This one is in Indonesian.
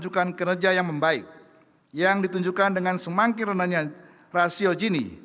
menunjukkan kinerja yang membaik yang ditunjukkan dengan semangkir rendahnya rasio gini